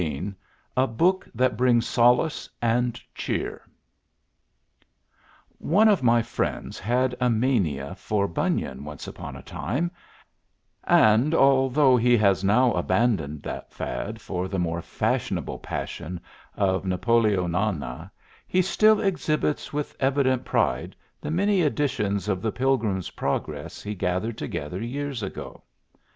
XV A BOOK THAT BRINGS SOLACE AND CHEER One of my friends had a mania for Bunyan once upon a time, and, although he has now abandoned that fad for the more fashionable passion of Napoleonana, he still exhibits with evident pride the many editions of the "Pilgrim's Progress" he gathered together years ago.